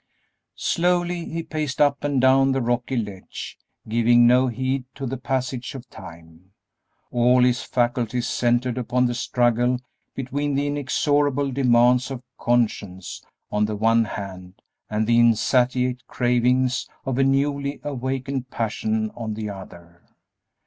Slowly he paced up and down the rocky ledge, giving no heed to the passage of time, all his faculties centred upon the struggle between the inexorable demands of conscience on the one hand and the insatiate cravings of a newly awakened passion on the other.